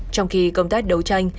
trong khi công tác đấu tranh